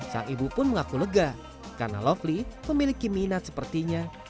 sang ibu pun mengaku lega karena lovely memiliki minat sepertinya